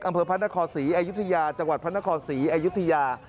พระนครศรีอยุธยาจังหวัดพระนครศรีอยุธยา